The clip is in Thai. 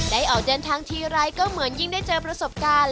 ออกเดินทางทีไรก็เหมือนยิ่งได้เจอประสบการณ์